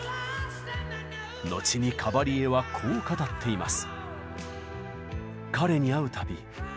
後にカバリエはこう語っています。